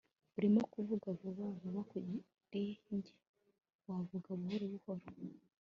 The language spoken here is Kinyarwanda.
urimo kuvuga vuba vuba kuri njye. wavuga buhoro buhoro